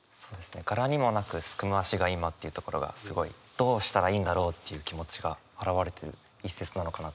「柄にもなく竦む足が今」というところがすごいどうしたらいいんだろうっていう気持ちが表れてる一節なのかなと。